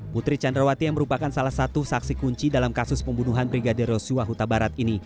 putri candrawati yang merupakan salah satu saksi kunci dalam kasus pembunuhan brigadir yosua huta barat ini